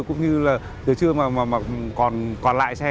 cũng như là giờ trưa mà còn lại xe